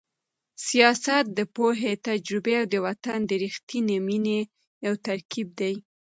سیاست د پوهې، تجربې او د وطن د رښتینې مینې یو ترکیب دی.